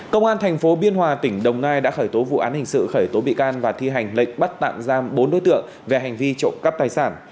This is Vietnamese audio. công an thành phố biên hòa tỉnh đồng nai đã khởi tố vụ án hình sự khởi tố bị can và thi hành lệnh bắt tạm giam bốn đối tượng về hành vi trộm cắp tài sản